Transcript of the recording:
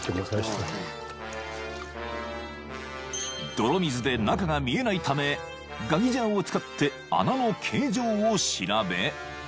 ［泥水で中が見えないためガギジャーを使って穴の形状を調べ］